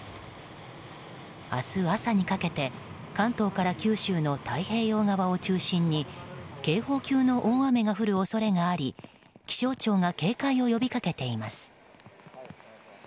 明日朝にかけて関東から九州の太平洋側を中心に警報級の大雨が降る恐れがあり気象庁が警戒を呼びかけています。